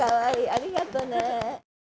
ありがとね。